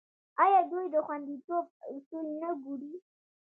آیا دوی د خوندیتوب اصول نه ګوري؟